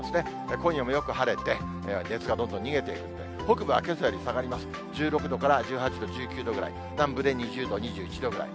今夜もよく晴れて、熱がどんどん逃げているんで、北部はけさより下がります、１６度から１８度ぐらい、南部で２０度、２１度ぐらい。